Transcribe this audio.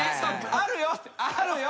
「あるよ。あるよ」